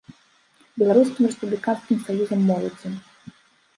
Беларускім рэспубліканскім саюзам моладзі.